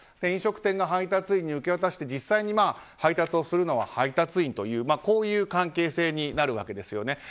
飲食店が配達員に受け渡して実際に配達をするのは配達員という関係性になるわけですね。